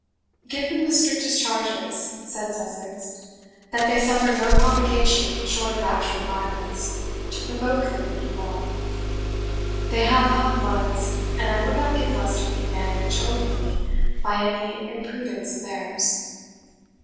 "Give them the strictest charges," said Sussex, "that they suffer no provocation short of actual violence to provoke them into quarrel. They have hot bloods, and I would not give Leicester the advantage over me by any imprudence of theirs."